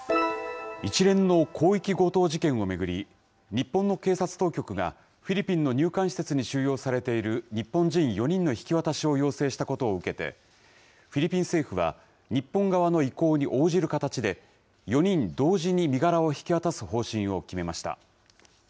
一連の広域強盗事件を巡り、日本の警察当局が、フィリピンの入管施設に収容されている日本人４人の引き渡しを要請したことを受けて、フィリピン政府は日本側の意向に応じる形で、４人同時に身柄を引き渡す方針を決めました。